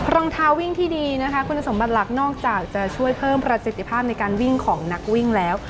รองเท้าวิ่งที่ดีนะคะคุณสมบัติหลักนอกจากจะช่วยเพิ่มประสิทธิภาพในการวิ่งของนักวิ่งแล้ว